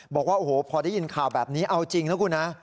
บอกว่าโอ้โหพอได้ยินข่าวแบบนี้เอาจริงนะคุณนะ